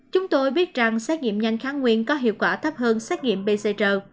chúng tôi biết rằng xét nghiệm nhanh kháng nguyên có hiệu quả thấp hơn xét nghiệm pcr